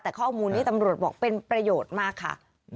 แต่ข้อมูลนี้ตำรวจบอกเป็นประโยชน์มากค่ะ